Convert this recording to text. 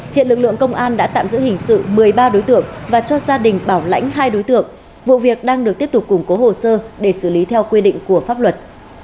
hiện lực lượng công an đã tạm giữ hình sự một mươi ba đối tượng và cho gia đình bảo lãnh hai đối tượng vụ việc đang được tiếp tục củng cố hồ sơ để xử lý theo quy định của pháp luật